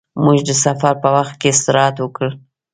موږ د سفر په وخت کې استراحت وکړ.